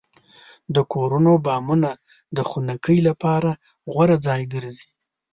د کورونو بامونه د خنکۍ لپاره غوره ځای ګرځي.